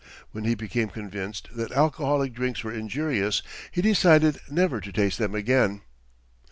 When he became convinced that alcoholic drinks were injurious, he decided never to taste them again.